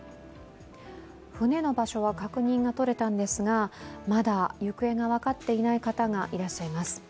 船の場所は確認がとれたんですが、また行方が分かっていない方がいらっしゃいます。